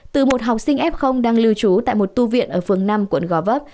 từ một học sinh f đang lưu trú tại một tu viện ở phường năm quận gò vấp